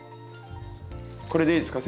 これでいいですか？